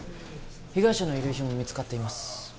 被害者の遺留品も見つかっています